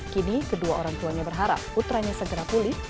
kini kedua orang tuanya berharap putranya segera pulih